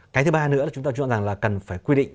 cái thứ ba nữa là chúng ta chọn rằng là cần phải quy định